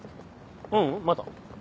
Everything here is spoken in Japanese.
ううんまだ。